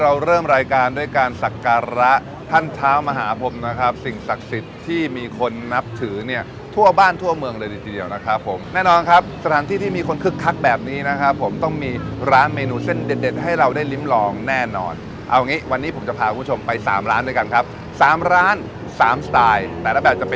เราเริ่มรายการด้วยการสักการะท่านเท้ามหาผมนะครับสิ่งศักดิ์สิทธิ์ที่มีคนนับถือเนี่ยทั่วบ้านทั่วเมืองเลยทีเดียวนะครับผมแน่นอนครับสถานที่ที่มีคนคึกคักแบบนี้นะครับผมต้องมีร้านเมนูเส้นเด็ดเด็ดให้เราได้ลิ้มลองแน่นอนเอางี้วันนี้ผมจะพาคุณผู้ชมไปสามร้านด้วยกันครับสามร้านสามสไตล์แต่ละแบบจะเป็น